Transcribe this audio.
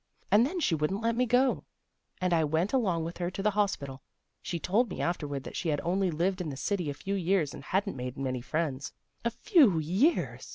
And then she wouldn't let me go, and I went along with her to the hospital. She told me afterward that she had only lived in the city a few years and hadn't made many friends. A few years!